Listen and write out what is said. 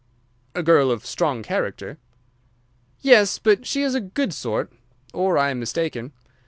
"A girl of strong character." "Yes, but she is a good sort, or I am mistaken.